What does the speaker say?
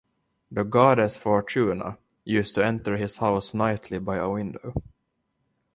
The goddess Fortuna used to enter his house nightly by a window.